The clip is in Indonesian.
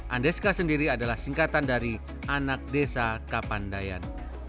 andeska sendiri adalah singkatan dari anak desa kapandayan